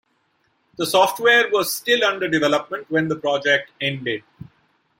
The software was still under development when the project ended.